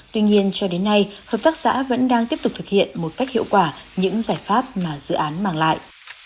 tuy nhiên cho đến nay hợp tác xã vẫn đang tiếp tục thực hiện một cách hiệu quả những giải pháp mà dự án mang lại